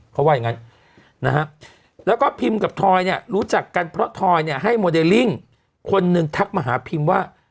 เขาว่าอย่างนั้นนะฮะแล้วก็พิมกับทอยเนี่ยรู้จักกันเพราะทอยเนี่ยให้โมเดลลิ่งคนหนึ่งทักมาหาพิมว่า